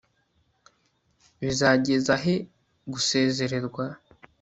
bizagezahe guseserezwa